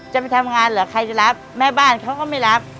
จะไปทำงานเหรอใครจะรับแม่บ้านเขาก็ไม่รับ